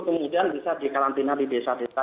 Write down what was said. kemudian bisa dikarantina di desa desa